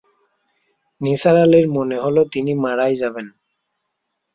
নিসার আলির মনে হল তিনি মারাই যাবেন।